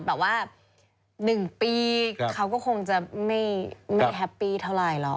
แบบว่า๑ปีเขาก็คงจะไม่แฮปปี้เท่าไหร่หรอก